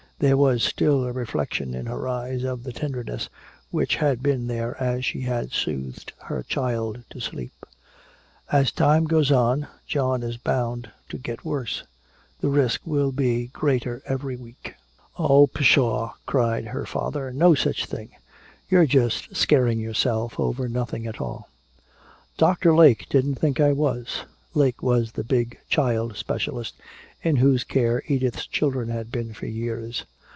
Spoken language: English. There was still a reflection in her eyes of the tenderness which had been there as she had soothed her child to sleep. "As time goes on, John is bound to get worse. The risk will be greater every week." "Oh, pshaw!" cried her father. "No such thing! You're just scaring yourself over nothing at all!" "Doctor Lake didn't think I was." Lake was the big child specialist in whose care Edith's children had been for years.